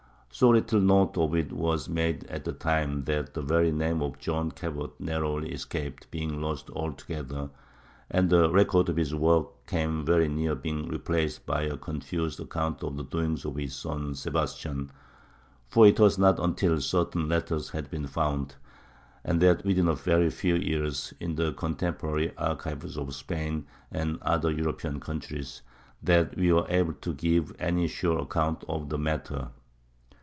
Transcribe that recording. So little note of it was made at the time that the very name of John Cabot narrowly escaped being lost altogether, and the record of his work came very near being replaced by a confused account of the doings of his son Sebastian; for it was not until certain letters had been found—and that within a very few years—in the contemporary archives of Spain and other European countries, that we were able to give any sure account of the matter.